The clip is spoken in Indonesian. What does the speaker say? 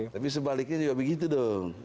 tapi sebaliknya juga begitu dong